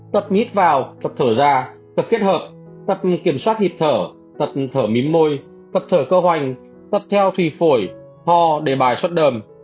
tập hít vào tập thở ra tập kết hợp tập kiểm soát hiệp thở tập thở mím môi tập thở cơ hoành tập theo thủy phổi ho để bài suất đờm